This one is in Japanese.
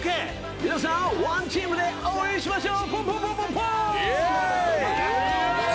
皆さん ＯＮＥＴＥＡＭ で応援しましょう！